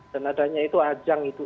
dan adanya itu ajang itu